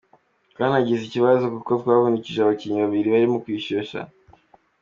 Twanagize ikibazo kuko twavunikishije abakinnyi babiri barimo kwishyushya.